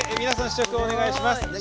皆さん試食をお願いします。